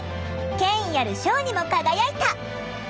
権威ある賞にも輝いた。